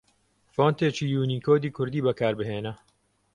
فۆنتێکی یوونیکۆدی کوردی بەکاربهێنە